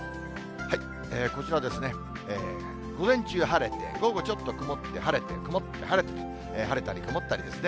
こちらですね、午前中晴れて、午後ちょっと曇って、晴れて、曇って晴れてと、晴れたり曇ったりですね。